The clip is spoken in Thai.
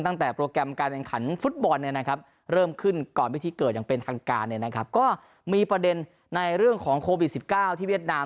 ตั้งแต่โปรแกรมการแข่งขันฟุตบอลเนี่ยนะครับเริ่มขึ้นก่อนพิธีเกิดอย่างเป็นทางการก็มีประเด็นในเรื่องของโควิด๑๙ที่เวียดนาม